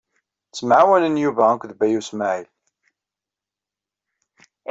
Ttemɛawanen Yuba akked Baya U Smaɛil.